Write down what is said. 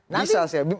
bisa sih ya